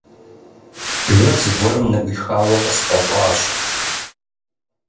Бжэр зыгуэрым ныӀуихауэ къысфӀэщӀащ.